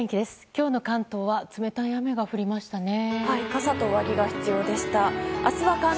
今日の関東は冷たい雨が降りましたね。